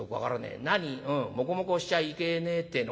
もこもこをしちゃいけねえってえの？